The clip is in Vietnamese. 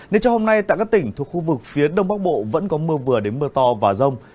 nên trong hôm nay tại các tỉnh thuộc khu vực phía đông bắc bộ vẫn có mưa vừa đến mưa to và rông